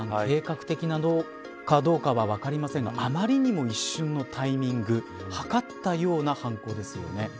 計画的かどうかは分かりませんがあまりにも一瞬のタイミングはかったような犯行ですよね。